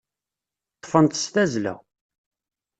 Ṭṭfen-tt s tazzla.